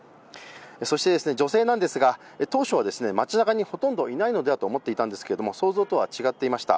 そして、女性なんですが当初は町なかにほとんどいないのではと思っていたんですが想像とは違っていました。